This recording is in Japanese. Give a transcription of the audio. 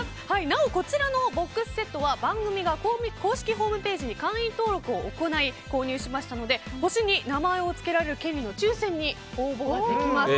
なおこちらのＢＯＸセットは番組が公式ホームページに会員登録を行い購入しましたので星に名前を付けられる権利の抽選に応募ができます。